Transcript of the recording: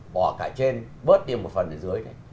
bỏ cả trên bớt đi một phần ở dưới đấy